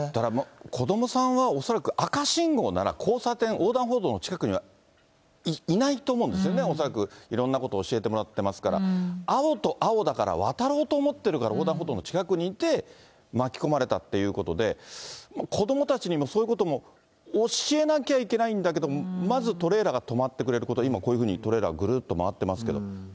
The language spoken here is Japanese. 子どもさんは恐らく、赤信号なら、交差点、横断歩道の近くにはいないと思うんですよね、恐らくいろんなこと教えてもらってますから、青と青だから、渡ろうと思ってるから、横断歩道の近くにいて、巻き込まれたということで、子どもたちにそういうことも教えなきゃいけないんだけど、まずトレーラーが止まってくれること、今、こういうふうにトレーラー、ぐるっと回ってますけど。